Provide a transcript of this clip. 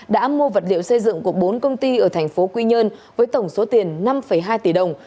đã mua vật liệu xây dựng của bốn công ty ở tp hcm với tổng số tiền năm hai tỷ đồng